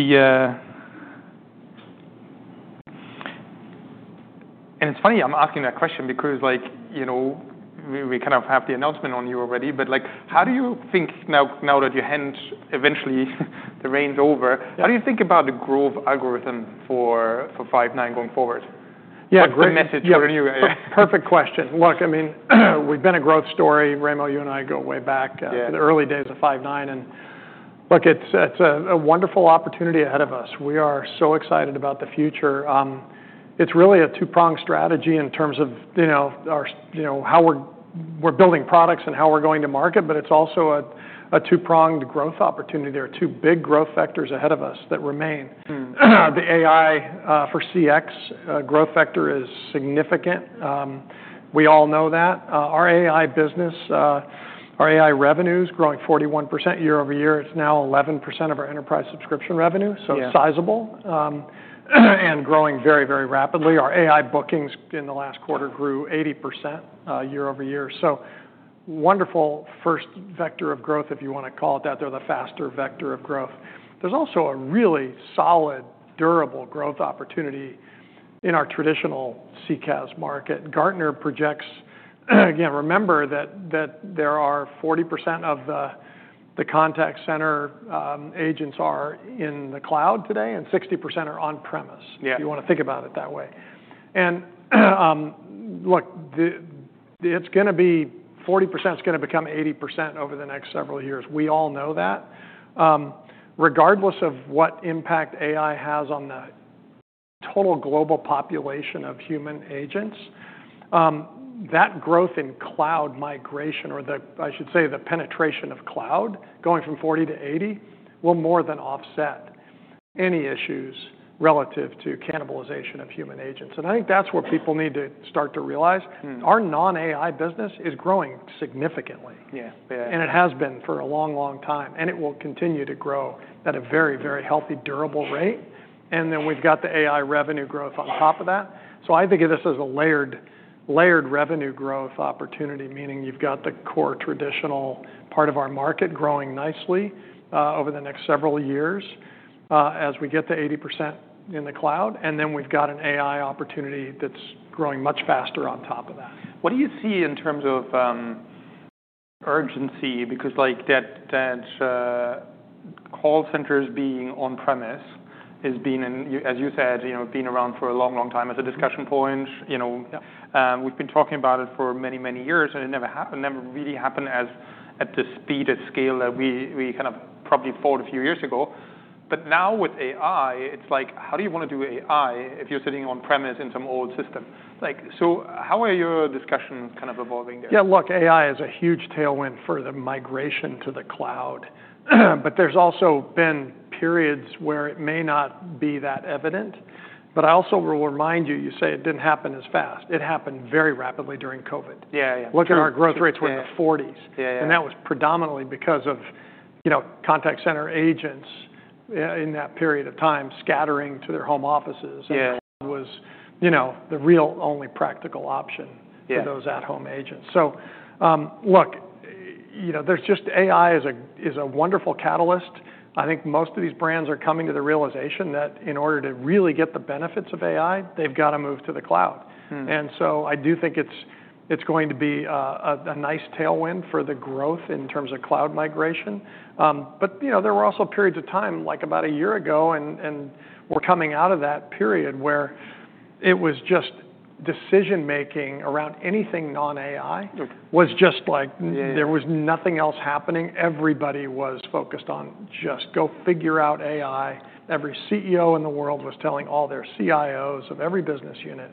It's funny I'm asking that question because, like, you know, we kind of have the announcement on you already. But, like, how do you think now that you hand eventually the reins over? How do you think about the growth algorithm for Five9 going forward? A great message for a new. Perfect question. Look, I mean, we've been a growth story. Raimo, you and I go way back. To the early days of Five9. And look, it's a wonderful opportunity ahead of us. We are so excited about the future. It's really a two-pronged strategy in terms of, you know, how we're building products and how we're going to market. But it's also a two-pronged growth opportunity. There are two big growth factors ahead of us that remain. The AI for CX growth factor is significant. We all know that. Our AI business, our AI revenues growing 41% year-over-year. It's now 11% of our enterprise subscription revenue. So it's sizable, and growing very, very rapidly. Our AI bookings in the last quarter grew 80% year-over-year. So wonderful first vector of growth, if you wanna call it that. They're the faster vector of growth. There's also a really solid, durable growth opportunity in our traditional CCaaS market. Gartner projects, again, remember that, there are 40% of the contact center agents in the cloud today and 60% are on-premises. If you wanna think about it that way, and look, it's gonna be 40%'s gonna become 80% over the next several years. We all know that. Regardless of what impact AI has on the total global population of human agents, that growth in cloud migration or, I should say, the penetration of cloud going from 40%-80% will more than offset any issues relative to cannibalization of human agents, and I think that's what people need to start to realize. Our non-AI business is growing significantly. And it has been for a long, long time. And it will continue to grow at a very, very healthy, durable rate. And then we've got the AI revenue growth on top of that. So I think of this as a layered, layered revenue growth opportunity, meaning you've got the core traditional part of our market growing nicely, over the next several years, as we get to 80% in the cloud. And then we've got an AI opportunity that's growing much faster on top of that. What do you see in terms of urgency? Because, like, that call centers being on-premises has been, as you said, you know, been around for a long, long time as a discussion point. You know. We've been talking about it for many, many years, and it never really happened at the speed, at scale that we kind of probably thought a few years ago. But now with AI, it's like, how do you wanna do AI if you're sitting on-premises in some old system? Like, so how are your discussions kind of evolving there? Look, AI is a huge tailwind for the migration to the cloud, but there's also been periods where it may not be that evident. But I also will remind you, you say it didn't happen as fast. It happened very rapidly during COVID. Look at our growth rates were in the 40s. That was predominantly because of, you know, contact center agents, in that period of time scattering to their home offices. Cloud was, you know, the real only practical option for those at-home agents. So look, you know, there's just, AI is a wonderful catalyst. I think most of these brands are coming to the realization that in order to really get the benefits of AI, they've gotta move to the cloud, and so I do think it's going to be a nice tailwind for the growth in terms of cloud migration, but you know, there were also periods of time, like about a year ago, and we're coming out of that period where it was just decision-making around anything non-AI was just like. There was nothing else happening. Everybody was focused on just go figure out AI. Every CEO in the world was telling all their CIOs of every business unit,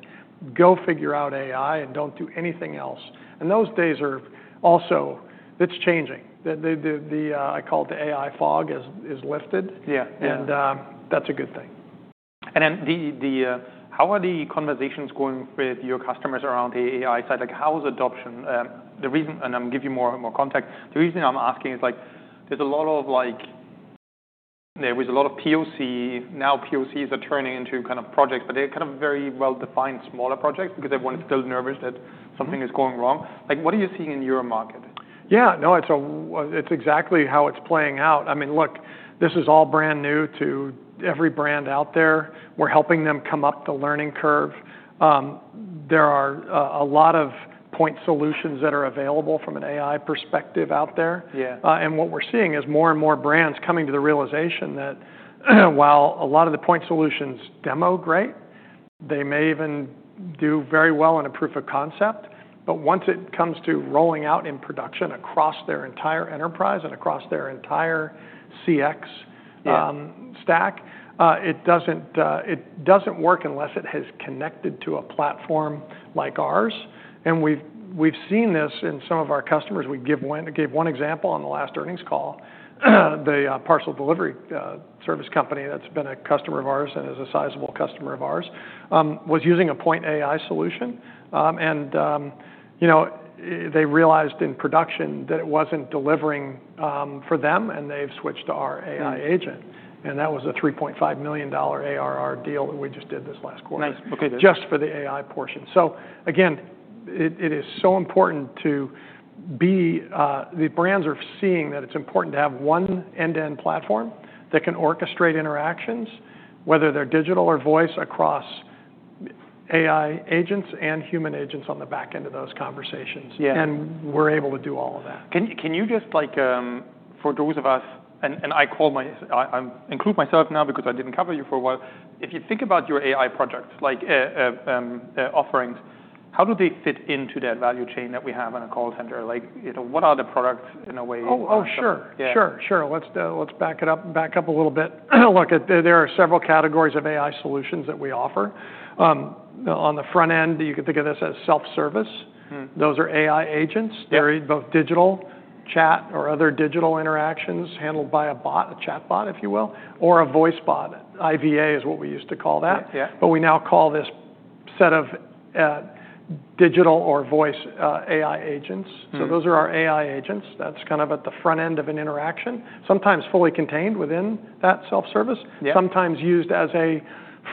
"Go figure out AI and don't do anything else," and those days are also, it's changing. I call it the AI fog has lifted. That's a good thing. And then, how are the conversations going with your customers around the AI side? Like, how's adoption? The reason, and I'll give you more context. The reason I'm asking is, like, there's a lot of, like, there was a lot of POC. Now POCs are turning into kind of projects, but they're kind of very well-defined, smaller projects because everyone is still nervous that something is going wrong. Like, what are you seeing in your market? No. It's exactly how it's playing out. I mean, look, this is all brand new to every brand out there. We're helping them come up the learning curve. There are a lot of point solutions that are available from an AI perspective out there. And what we're seeing is more and more brands coming to the realization that while a lot of the point solutions demo great, they may even do very well in a proof of concept. But once it comes to rolling out in production across their entire enterprise and across their entire CX stack, it doesn't work unless it has connected to a platform like ours. And we've seen this in some of our customers. We gave one example on the last earnings parcel delivery service company that's been a customer of ours and is a sizable customer of ours was using a point AI solution. And you know, they realized in production that it wasn't delivering for them, and they've switched to our AI agent. And that was a $3.5 million ARR deal that we just did this last quarter. Nice. Okay. Just for the AI portion. So again, it is so important. The brands are seeing that it's important to have one end-to-end platform that can orchestrate interactions, whether they're digital or voice, across AI agents and human agents on the back end of those conversations. We're able to do all of that. Can you just, like, for those of us, and I call myself, I include myself now because I didn't cover you for a while. If you think about your AI projects, like, offerings, how do they fit into that value chain that we have on a call center? Like, you know, what are the products in a way? Oh, oh, sure. Sure. Sure. Let's back it up a little bit. Look, there are several categories of AI solutions that we offer. On the front end, you can think of this as self-service. Those are AI agents. They're both digital chat or other digital interactions handled by a bot, a chatbot, if you will, or a voice bot. IVA is what we used to call that. But we now call this set of digital or voice AI agents. So those are our AI agents. That's kind of at the front end of an interaction, sometimes fully contained within that self-service. Sometimes used as a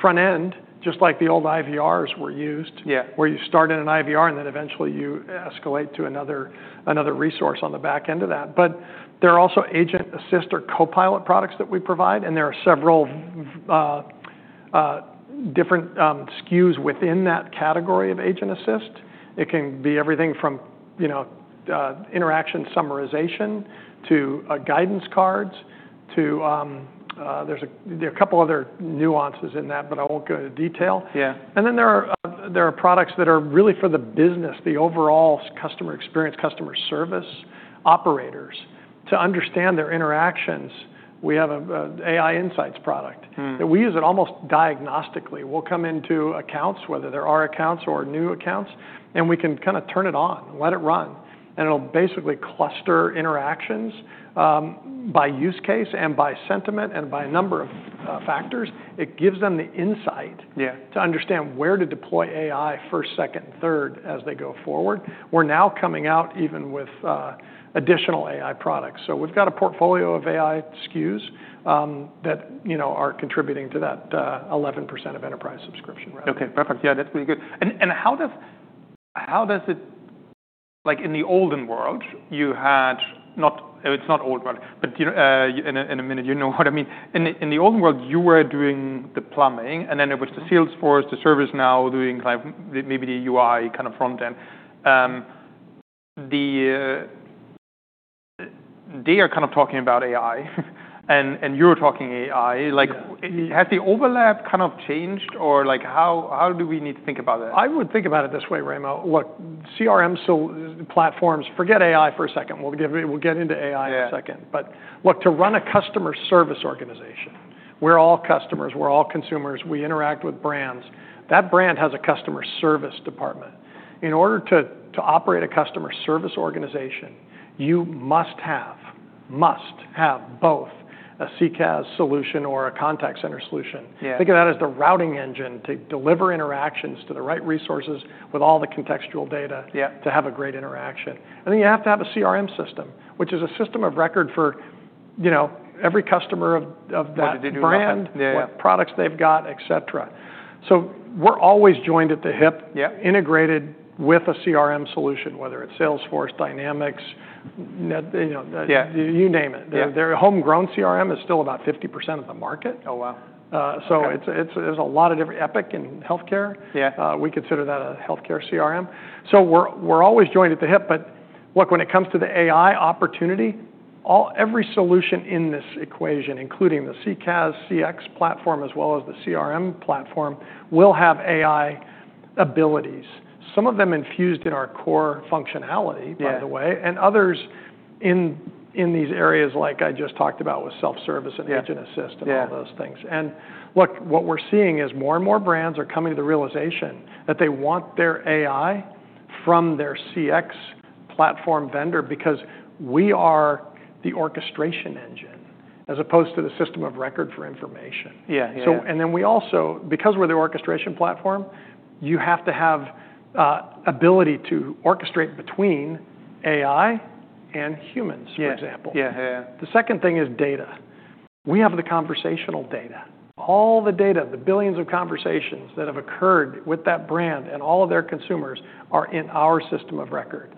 front end, just like the old IVRs were used. Where you start in an IVR and then eventually you escalate to another resource on the back end of that. But there are also Agent Assist or co-pilot products that we provide. And there are several different SKUs within that category of Agent Assist. It can be everything from, you know, interaction summarization Guidance Cards to. There are a couple other nuances in that, but I won't go into detail. And then there are products that are really for the business, the overall customer experience, customer service operators. To understand their interactions, we have a AI Insights product. That we use it almost diagnostically. We'll come into accounts, whether they're our accounts or new accounts, and we can kind of turn it on, let it run, and it'll basically cluster interactions by use case and by sentiment and by a number of factors. It gives them the insight. To understand where to deploy AI first, second, and third as they go forward. We're now coming out even with additional AI products. So we've got a portfolio of AI SKUs that, you know, are contributing to that 11% of enterprise subscription revenue. Okay. Perfect. That's really good, and how does it, like, in the olden world, you had not. It's not old, but you know, in a minute, you know what I mean. In the olden world, you were doing the plumbing, and then it was the Salesforce, the ServiceNow doing kind of maybe the UI kind of front end. They are kind of talking about AI, and you're talking AI. Like, has the overlap kind of changed or, like, how do we need to think about that? I would think about it this way, Raimo. Look, CRM SaaS platforms, forget AI for a second. We'll get into AI in a second. But look, to run a customer service organization, we're all customers, we're all consumers, we interact with brands. That brand has a customer service department. In order to operate a customer service organization, you must have both a CCaaS solution or a contact center solution. Think of that as the routing engine to deliver interactions to the right resources with all the contextual data. To have a great interaction. And then you have to have a CRM system, which is a system of record for, you know, every customer of that. What they do. Brand. What products they've got, etc., so we're always joined at the hip. Integrated with a CRM solution, whether it's Salesforce, Dynamics, NetSuite, you know, you name it. Their homegrown CRM is still about 50% of the market. Oh, wow. There's a lot of different Epic and healthcare. We consider that a healthcare CRM. So we're always joined at the hip. But look, when it comes to the AI opportunity, every solution in this equation, including the CCaaS, CX platform, as well as the CRM platform, will have AI abilities, some of them infused in our core functionality, by the way. And others in these areas, like I just talked about with self-service and Agent Assist and all those things. And look, what we're seeing is more and more brands are coming to the realization that they want their AI from their CX platform vendor because we are the orchestration engine as opposed to the system of record for information. So and then we also, because we're the orchestration platform, you have to have ability to orchestrate between AI and humans, for example. The second thing is data. We have the conversational data. All the data, the billions of conversations that have occurred with that brand and all of their consumers are in our system of record.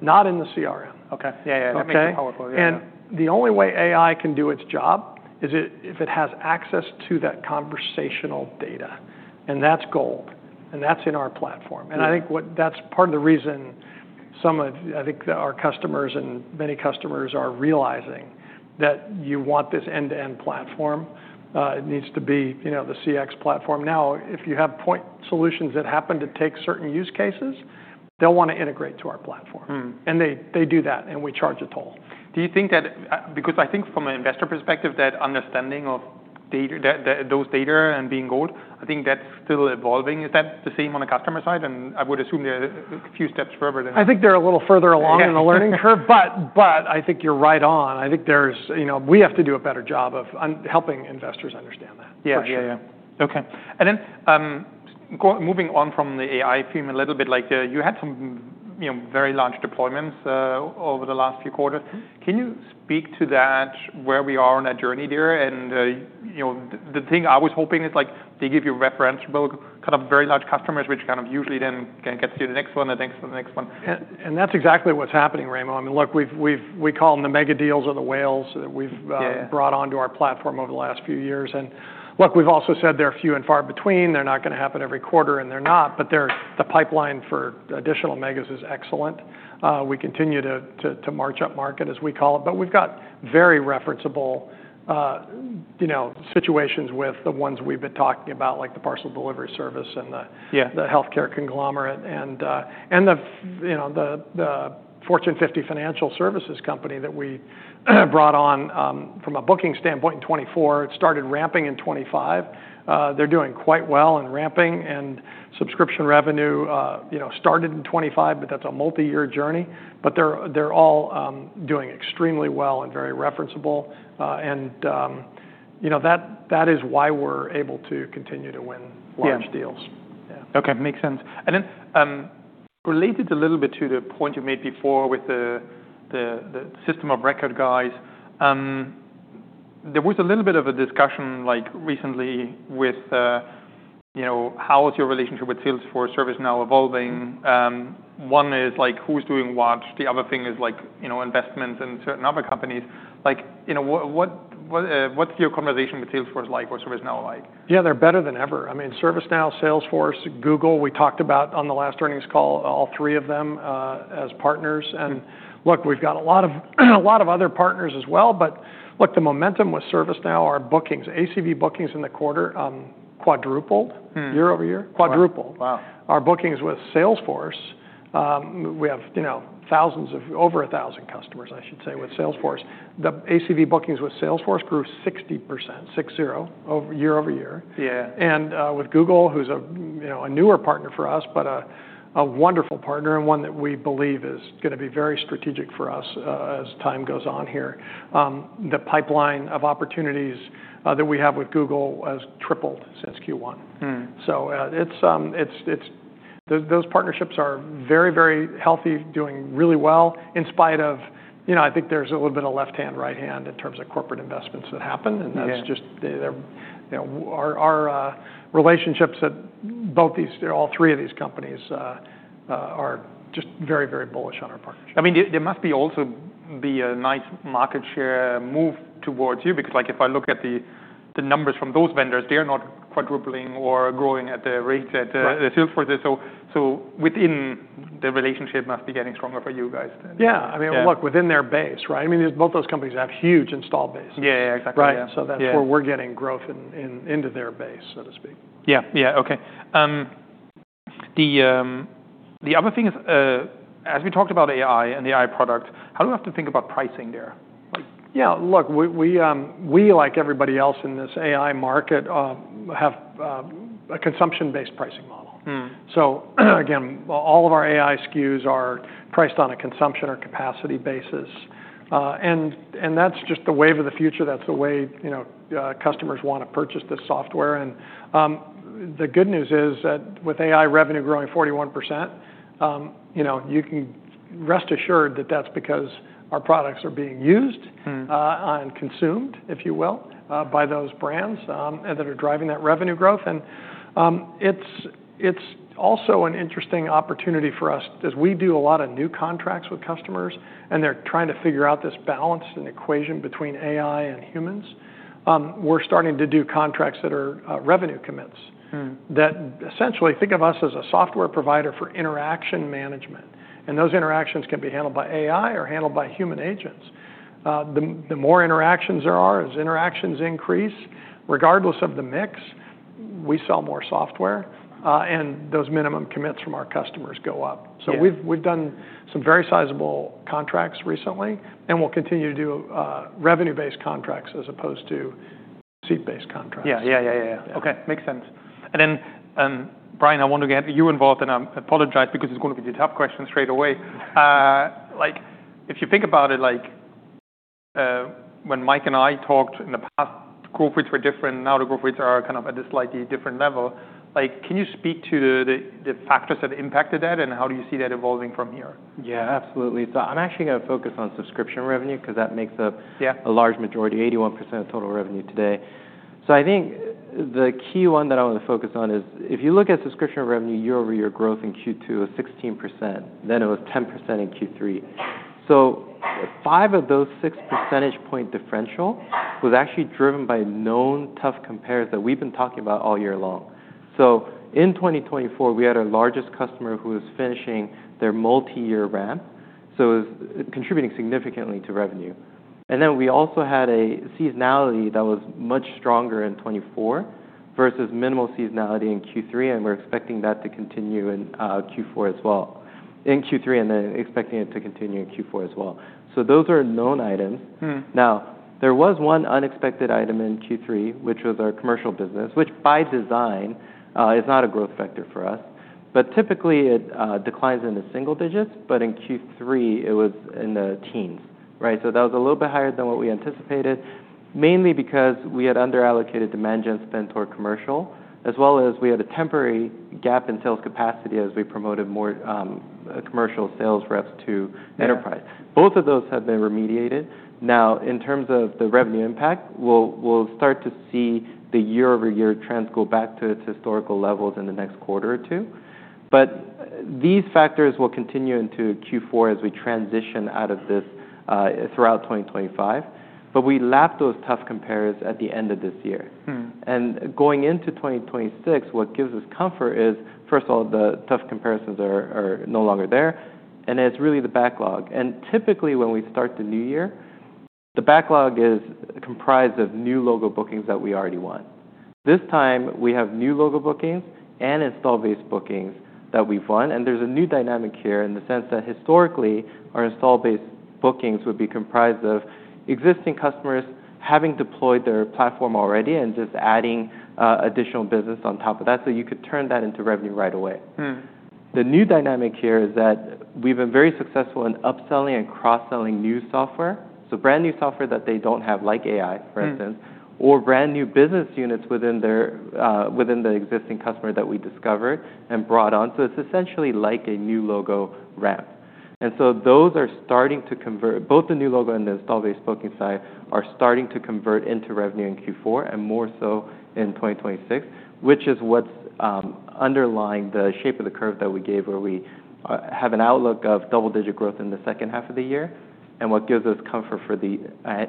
Not in the CRM. Okay. That makes it powerful. Okay. And the only way AI can do its job is if it has access to that conversational data. And that's gold. And that's in our platform. And I think what that's part of the reason some of, I think, our customers and many customers are realizing that you want this end-to-end platform. It needs to be, you know, the CX platform. Now, if you have point solutions that happen to take certain use cases, they'll wanna integrate to our platform. And they, they do that, and we charge a toll. Do you think that, because I think from an investor perspective, that understanding of data, those data and being gold, I think that's still evolving. Is that the same on the customer side? And I would assume they're a few steps further than. I think they're a little further along in the learning curve. But I think you're right on. I think there's, you know, we have to do a better job of, helping investors understand that, for sure. Okay. And then, go moving on from the AI theme a little bit, like, you had some, you know, very large deployments over the last few quarters. Can you speak to that, where we are on that journey there? And, you know, the thing I was hoping is, like, they give you referenceable very large customers, which kind of usually then gets to the next one and the next one and the next one. That's exactly what's happening, Raimo. I mean, look, we call them the mega deals or the whales that we've, Brought onto our platform over the last few years. And look, we've also said they're few and far between. They're not gonna happen every quarter, and they're not. But they're the pipeline for additional megas is excellent. We continue to march up market, as we call it. But we've got very referenceable, you know, situations with the ones we've been talking about, like the parcel delivery service and the healthcare conglomerate and the, you know, the Fortune 50 financial services company that we brought on, from a booking standpoint in 2024. It started ramping in 2025. They're doing quite well in ramping and subscription revenue, you know, started in 2025, but that's a multi-year journey. But they're all doing extremely well and very referenceable, and you know, that is why we're able to continue to win large deals. Okay. Makes sense. And then, related a little bit to the point you made before with the system of record guys, there was a little bit of a discussion, like, recently with, you know, how is your relationship with Salesforce, ServiceNow evolving? One is, like, who's doing what? The other thing is, like, you know, investments in certain other companies. Like, you know, what's your conversation with Salesforce like or ServiceNow like? They're better than ever. I mean, ServiceNow, Salesforce, Google, we talked about on the last earnings call, all three of them, as partners. And look, we've got a lot of other partners as well. But look, the momentum with ServiceNow, our bookings, ACV bookings in the quarter, quadrupled. year-over-year. Quadrupled. Wow. Our bookings with Salesforce. We have, you know, thousands of over a thousand customers, I should say, with Salesforce. The ACV bookings with Salesforce grew 60%, six-zero over year-over-year. And with Google, who's a, you know, newer partner for us, but a wonderful partner and one that we believe is gonna be very strategic for us, as time goes on here. The pipeline of opportunities that we have with Google has tripled since Q1. So it's those partnerships are very, very healthy, doing really well in spite of, you know, I think there's a little bit of left-hand, right-hand in terms of corporate investments that happen. And that's just they're, you know, our relationships at both these all three of these companies are just very, very bullish on our partnership. I mean, there must also be a nice market share move towards you because, like, if I look at the numbers from those vendors, they're not quadrupling or growing at the rate that, Right. The Salesforce is. So within the relationship must be getting stronger for you guys. I mean, look, within their base, right? I mean, both those companies have huge installed bases. Exactly. Right? So that's where we're getting growth into their base, so to speak. Okay. The other thing is, as we talked about AI and the AI product, how do we have to think about pricing there? Look, we like everybody else in this AI market have a consumption-based pricing model. So again, all of our AI SKUs are priced on a consumption or capacity basis, and that's just the wave of the future. That's the way, you know, customers wanna purchase this software. The good news is that with AI revenue growing 41%, you know, you can rest assured that that's because our products are being used and consumed, if you will, by those brands, and that are driving that revenue growth. It's also an interesting opportunity for us as we do a lot of new contracts with customers, and they're trying to figure out this balance and equation between AI and humans. We're starting to do contracts that are revenue commits. That essentially think of us as a software provider for interaction management. And those interactions can be handled by AI or handled by human agents. The more interactions there are, as interactions increase, regardless of the mix, we sell more software, and those minimum commits from our customers go up. We've done some very sizable contracts recently, and we'll continue to do revenue-based contracts as opposed to seat-based contracts. Okay. Makes sense, and then, Bryan, I want to get you involved, and I apologize because it's gonna be the tough question straight away, like, if you think about it, like, when Mike and I talked in the past, the growth rates were different. Now the growth rates are kind of at a slightly different level. Like, can you speak to the factors that impacted that, and how do you see that evolving from here? Absolutely. So I'm actually gonna focus on subscription revenue 'cause that makes up. A large majority, 81% of total revenue today. So I think the key one that I wanna focus on is if you look at subscription revenue year-over-year growth in Q2 was 16%. Then it was 10% in Q3. So five of those six percentage point differential was actually driven by known tough comparison that we've been talking about all year long. So in 2024, we had our largest customer who was finishing their multi-year ramp. So it was contributing significantly to revenue. And then we also had a seasonality that was much stronger in 2024 versus minimal seasonality in Q3, and we're expecting that to continue in Q4 as well. So those are known items. Now, there was one unexpected item in Q3, which was our commercial business, which by design is not a growth factor for us. But typically, it declines in the single digits, but in Q3, it was in the teens, right? So that was a little bit higher than what we anticipated, mainly because we had underallocated demand gen spend toward commercial, as well as we had a temporary gap in sales capacity as we promoted more commercial sales reps to enterprise. Both of those have been remediated. Now, in terms of the revenue impact, we'll start to see the year-over-year trends go back to its historical levels in the next quarter or two, but these factors will continue into Q4 as we transition out of this, throughout 2025, but we lapped those tough comparisons at the end of this year, and going into 2026, what gives us comfort is, first of all, the tough comparisons are no longer there, and it's really the backlog, and typically, when we start the new year, the backlog is comprised of new logo bookings that we already won. This time, we have new logo bookings and installed-base bookings that we've won. And there's a new dynamic here in the sense that historically, our installed-base bookings would be comprised of existing customers having deployed their platform already and just adding additional business on top of that so you could turn that into revenue right away. The new dynamic here is that we've been very successful in upselling and cross-selling new software. So brand new software that they don't have, like AI, for instance, or brand new business units within the existing customer that we discovered and brought on. So it's essentially like a new logo ramp. And so those are starting to convert. Both the new logo and the installed-base booking side are starting to convert into revenue in Q4 and more so in 2026, which is what's underlying the shape of the curve that we gave, where we have an outlook of double-digit growth in the second half of the year, and what gives us comfort for the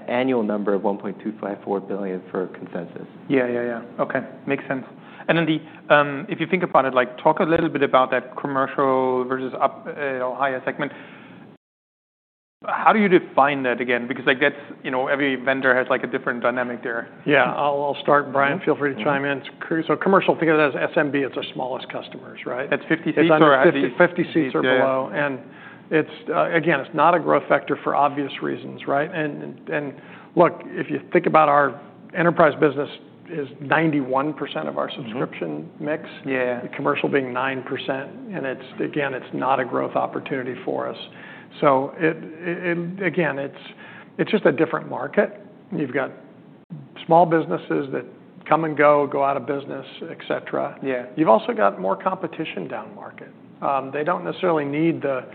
annual number of $1.254 billion for consensus. Okay. Makes sense, and then, if you think about it, like, talk a little bit about that commercial versus up, or higher segment. How do you define that again? Because, like, that's, you know, every vendor has, like, a different dynamic there. I'll start, Bryan. Feel free to chime in. So commercial, think of it as SMB. It's our smallest customers, right? That's 50 seats. It's our 50. 50 seats or below. And it's, again, it's not a growth factor for obvious reasons, right? And look, if you think about our enterprise business, it's 91% of our subscription mix. Commercial being 9% and it's, again, it's not a growth opportunity for us, so it, again, it's just a different market. You've got small businesses that come and go, go out of business, etc. You've also got more competition down market. They don't necessarily need the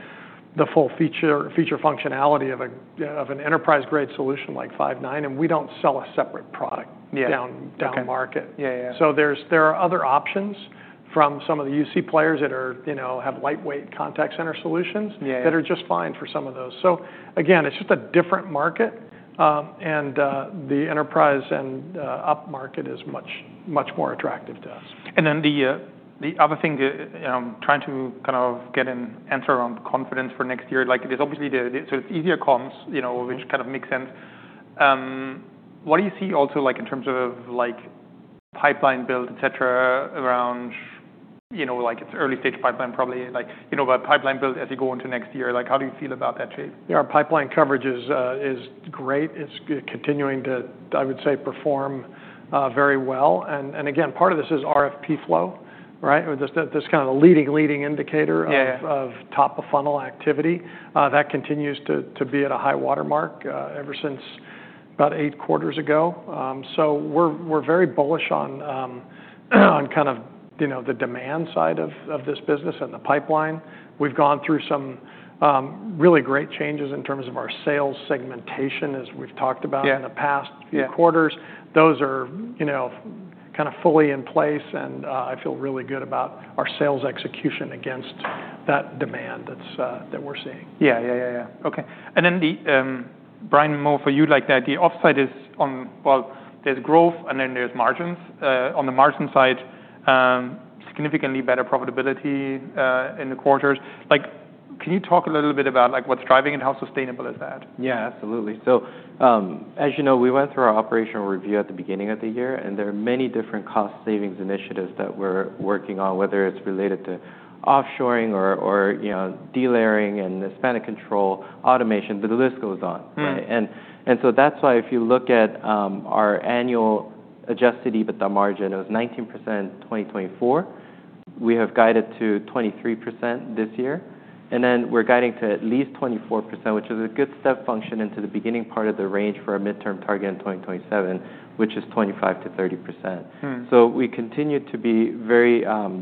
full feature functionality of an enterprise-grade solution like Five9, and we don't sell a separate product. Down, down market. Okay. There are other options from some of the UC players that, you know, have lightweight contact center solutions. That are just fine for some of those. So again, it's just a different market, and the enterprise and up-market is much, much more attractive to us. Then the other thing that, you know, I'm trying to kind of get an answer on confidence for next year. Like, there's obviously easier comps, you know, which kind of makes sense. What do you see also, like, in terms of, like, pipeline build, etc., around, you know, like, it's early-stage pipeline probably. Like, you know, about pipeline build as you go into next year, like, how do you feel about that space? Our pipeline coverage is great. It's continuing to, I would say, perform very well. And again, part of this is RFP flow, right? Just that this kind of leading indicator of. Of top-of-funnel activity, that continues to be at a high watermark ever since about eight quarters ago, so we're very bullish on kind of, you know, the demand side of this business and the pipeline. We've gone through some really great changes in terms of our sales segmentation as we've talked about. In the past few quarters. Those are, you know, kind of fully in place, and I feel really good about our sales execution against that demand that we're seeing. Okay. And then, Bryan. More for you, like, the upside is on, well, there's growth, and then there's margins on the margin side, significantly better profitability in the quarters. Like, can you talk a little bit about, like, what's driving it and how sustainable is that? Absolutely. So, as you know, we went through our operational review at the beginning of the year, and there are many different cost savings initiatives that we're working on, whether it's related to offshoring or, you know, delayering and expense control automation. The list goes on, right? And so that's why if you look at our annual adjusted EBITDA margin, it was 19% in 2024. We have guided to 23% this year. And then we're guiding to at least 24%, which is a good step function into the beginning part of the range for our midterm target in 2027, which is 25%-30%. So we continue to be very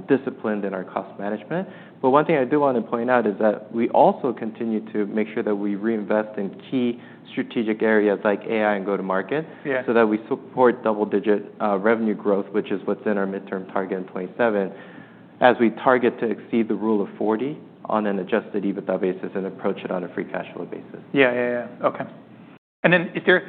disciplined in our cost management. But one thing I do wanna point out is that we also continue to make sure that we reinvest in key strategic areas like AI and go-to-market. So that we support double-digit revenue growth, which is what's in our midterm target in 2027, as we target to exceed the Rule of 40 on an adjusted EBITDA basis and approach it on a free cash flow basis. Okay. And then is there,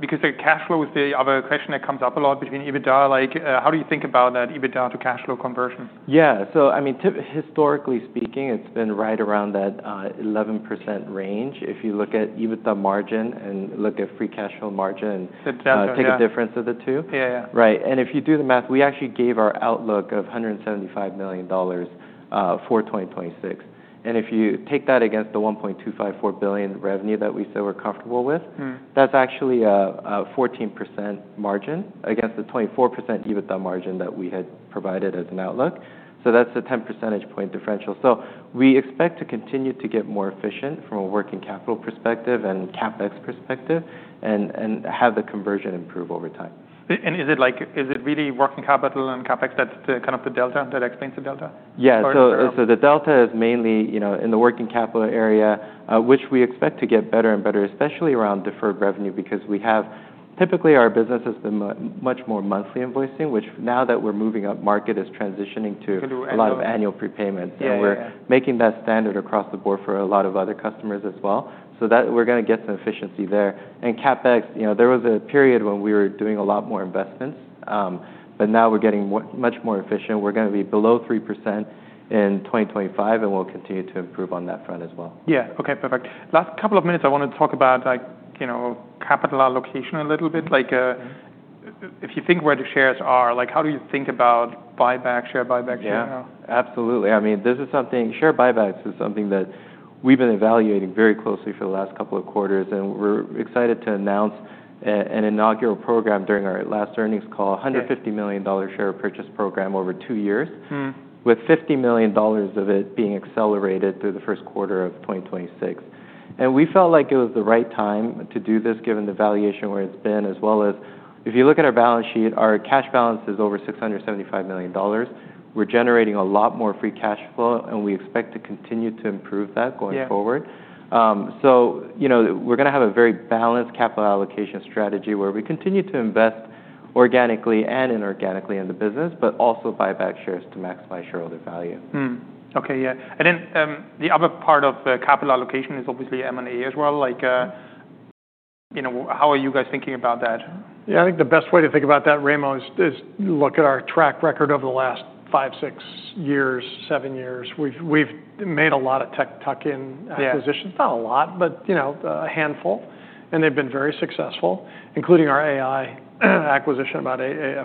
because the cash flow is the other question that comes up a lot between EBITDA, like, how do you think about that EBITDA to cash flow conversion? Yeah, so, I mean, typically historically speaking, it's been right around that 11% range. If you look at EBITDA margin and look at free cash flow margin. That's absolutely. Take a difference of the two. Right. And if you do the math, we actually gave our outlook of $175 million for 2026, and if you take that against the $1.254 billion revenue that we said we're comfortable with, that's actually a 14% margin against the 24% EBITDA margin that we had provided as an outlook, so that's a 10 percentage point differential, so we expect to continue to get more efficient from a working capital perspective and CapEx perspective and have the conversion improve over time. Is it, like, is it really working capital and CapEx that's the kind of the delta that explains the delta? So the delta is mainly, you know, in the working capital area, which we expect to get better and better, especially around deferred revenue because we have typically our business has been much more monthly invoicing, which now that we're moving upmarket is transitioning to a lot of annual prepayments. We're making that standard across the board for a lot of other customers as well so that we're gonna get some efficiency there. CapEx, you know, there was a period when we were doing a lot more investments, but now we're getting much more efficient. We're gonna be below 3% in 2025, and we'll continue to improve on that front as well. Okay. Perfect. Last couple of minutes, I wanna talk about, like, you know, capital allocation a little bit. Like, if you think where the shares are, like, how do you think about buyback, share buyback, share? Absolutely. I mean, this is something share buybacks is something that we've been evaluating very closely for the last couple of quarters, and we're excited to announce an inaugural program during our last earnings call. $150 million share purchase program over two years. With $50 million of it being accelerated through the first quarter of 2026, and we felt like it was the right time to do this given the valuation where it's been, as well as if you look at our balance sheet, our cash balance is over $675 million. We're generating a lot more free cash flow, and we expect to continue to improve that going forward. So, you know, we're gonna have a very balanced capital allocation strategy where we continue to invest organically and inorganically in the business, but also buyback shares to maximize shareholder value. Okay. Yeah, and then, the other part of the capital allocation is obviously M&A as well. Like, you know, how are you guys thinking about that? I think the best way to think about that, Raimo, is look at our track record over the last five, six years, seven years. We've made a lot of tech tuck-in acquisitions. Not a lot, but you know a handful. And they've been very successful, including our AI acquisition about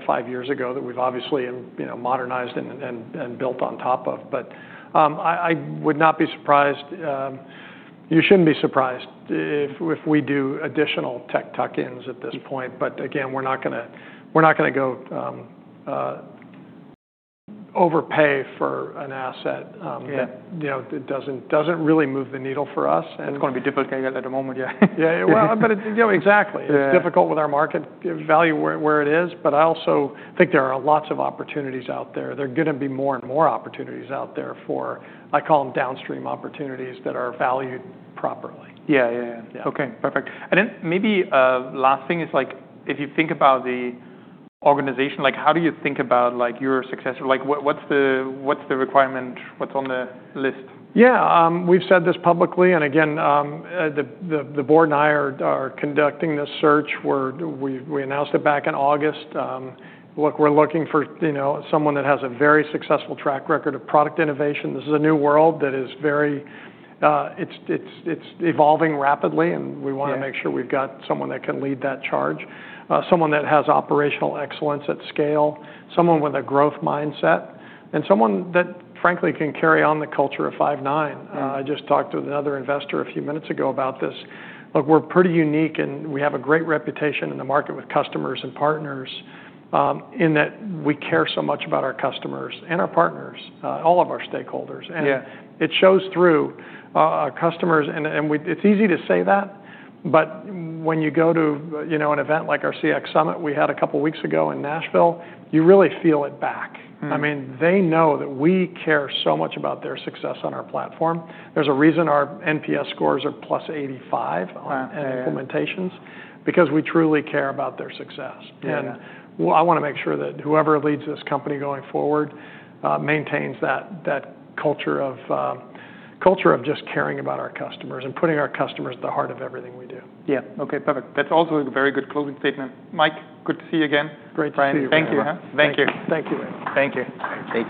five years ago that we've obviously you know modernized and built on top of. But I would not be surprised, you shouldn't be surprised if we do additional tech tuck-ins at this point. But again, we're not gonna go overpay for an asset that you know that doesn't really move the needle for us. It's gonna be difficult at the moment. Well, but it, you know, exactly. It's difficult with our market value where it is. But I also think there are lots of opportunities out there. There are gonna be more and more opportunities out there for, I call them, downstream opportunities that are valued properly. Okay. Perfect. And then maybe a last thing is, like, if you think about the organization, like, how do you think about, like, your success? Like, what, what's the, what's the requirement? What's on the list? We've said this publicly, and again, the board and I are conducting this search where we announced it back in August. Look, we're looking for, you know, someone that has a very successful track record of product innovation. This is a new world that is very, it's evolving rapidly, and we wanna make sure we've got someone that can lead that charge, someone that has operational excellence at scale, someone with a growth mindset, and someone that, frankly, can carry on the culture of Five9. I just talked with another investor a few minutes ago about this. Look, we're pretty unique, and we have a great reputation in the market with customers and partners, in that we care so much about our customers and our partners, all of our stakeholders. It shows through our customers. It's easy to say that, but when you go to, you know, an event like our CX Summit we had a couple weeks ago in Nashville, you really feel it back. I mean, they know that we care so much about their success on our platform. There's a reason our NPS scores are plus 85 on. Wow. Implementations because we truly care about their success. And I wanna make sure that whoever leads this company going forward maintains that culture of just caring about our customers and putting our customers at the heart of everything we do. Okay. Perfect. That's also a very good closing statement. Mike, good to see you again. Great to see you, Raimo. Bryan, thank you. Thank you. Thank you.